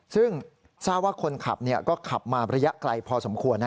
ซึ่งทราบว่าคนขับก็ขับมาระยะไกลพอสมควร